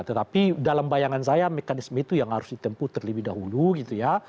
tetapi dalam bayangan saya mekanisme itu yang harus ditempuh terlebih dahulu gitu ya